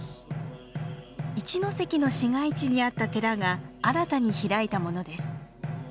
一関の市街地にあった寺が新たに開いたものです。